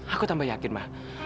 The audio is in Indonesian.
aku tambah yakin ma